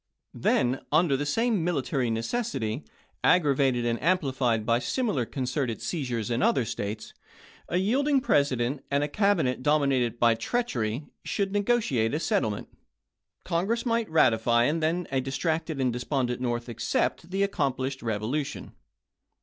Then under the same military necessity, aggravated and amplified by similar concerted seizures in other States, a yielding President, and a Cabinet domi nated by treachery, could negotiate a settlement ; Congress might ratify, and a distracted and de spondent North accept the accomplished revolution.